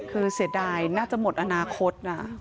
คือเสียดายน่าจะหมดอนาคต